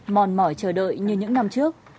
mòn mỏi chờ đợi như những năm trước